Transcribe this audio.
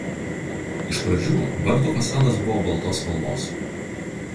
Iš pradžių vartų fasadas buvo baltos spalvos.